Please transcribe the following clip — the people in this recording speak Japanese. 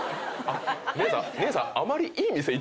姉さん姉さん。